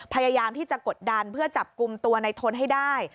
พยายามที่จะกดดันเพื่อจับกลุ่มตัวในทนให้ได้